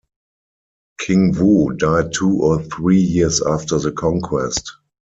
King Wu died two or three years after the conquest.